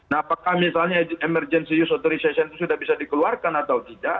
nah apakah misalnya emergency use authorization itu sudah bisa dikeluarkan atau tidak